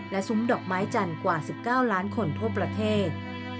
และซุ้มดอกไม้จันทร์กว่า๑๙ล้านคนทั่วประเทศ